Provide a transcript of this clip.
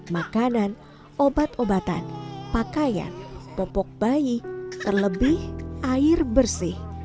makanan obat obatan pakaian popok bayi terlebih air bersih